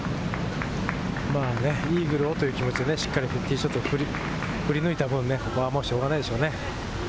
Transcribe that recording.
イーグルをという気持ちでしっかりティーショットを振り抜いた分、ここはしょうがないでしょうね。